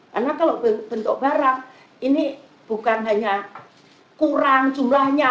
karena kalau bentuk barang ini bukan hanya kurang jumlahnya